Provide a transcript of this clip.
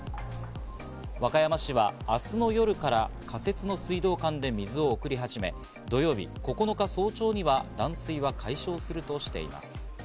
和歌山市は明日の夜から仮設の水道管で水を送り始め、土曜日、９日早朝には断水は解消するとしています。